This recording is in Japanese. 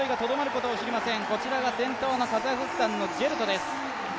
こちらが先頭のカザフスタンのジェルトです。